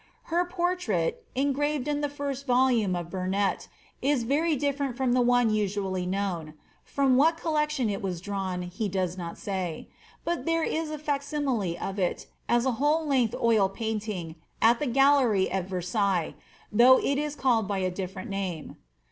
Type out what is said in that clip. KMtrait, engraved in the first volume of Burnet, is very different the one usually known ; from what collection it was drawn, he lot say ;' but there is a fac simile of it, as a whole length oil paint 1 the gallery at Versailles, though it is called by a different name.